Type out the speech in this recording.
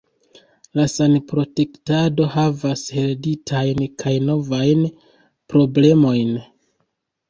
La sanprotektado havas hereditajn kaj novajn problemojn.